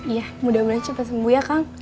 ya mudah mudahan cepat sembuh ya kang